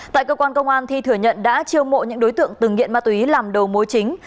tại cơ quan công an thi thừa nhận đã chiêu mộ những đối tượng từng nghiện ma túy làm đầu mối chính